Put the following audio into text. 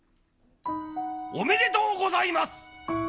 おめでとうございます！